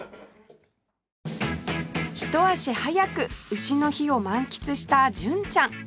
一足早く丑の日を満喫した純ちゃん